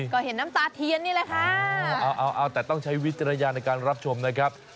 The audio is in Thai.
ก็เห็นน้ำตาเทียนนี่แหละค่ะเอาเอาแต่ต้องใช้วิจารณญาณในการรับชมนะครับ